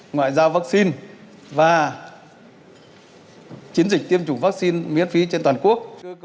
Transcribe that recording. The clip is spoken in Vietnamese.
ngoại giao vaccine và chiến dịch tiêm chủng vaccine miễn phí trên toàn quốc